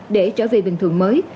để trở về bình thường mới